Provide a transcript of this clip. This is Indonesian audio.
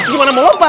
gimana mau lompat